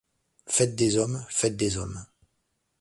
Faites des hommes, faites des hommes.